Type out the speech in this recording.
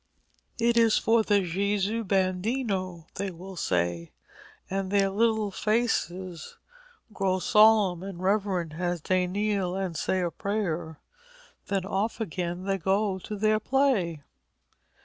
'It is for the Jesu Bambino,' they will say, and their little faces grow solemn and reverent as they kneel and say a prayer. Then off again they go to their play.